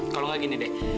kalau gak gini dek